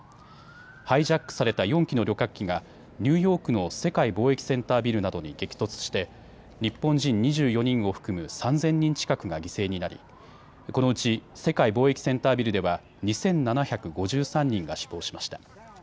ハイジャックされた４機の旅客機がニューヨークの世界貿易センタービルなどに激突して日本人２４人を含む３０００人近くが犠牲になりこのうち世界貿易センタービルでは２７５３人が死亡しました。